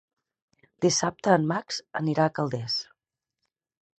Dissabte en Max anirà a Calders.